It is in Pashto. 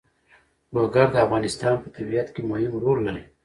لوگر د افغانستان په طبیعت کې مهم رول لري.